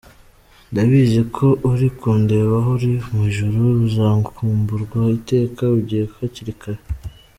Ndabizi ko uri kundeba aho uri mu ijuru, uzakumburwa iteka, ugiye hakiri kare.